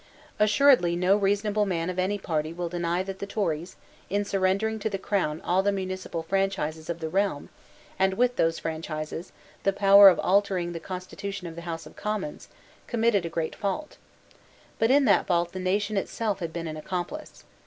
Assuredly no reasonable man of any party will deny that the Tories, in surrendering to the Crown all the municipal franchises of the realm, and, with those franchises, the power of altering the constitution of the House of Commons, committed a great fault. But in that fault the nation itself had been an accomplice.